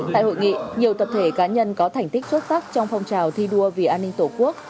tại hội nghị nhiều tập thể cá nhân có thành tích xuất sắc trong phong trào thi đua vì an ninh tổ quốc